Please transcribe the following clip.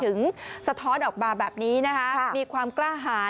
สะท้อนออกมาแบบนี้นะคะมีความกล้าหาร